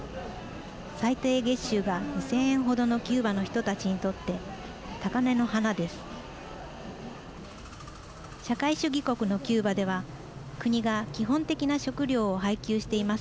最低月収が２０００円程のキューバの人たちにとって高嶺の花です。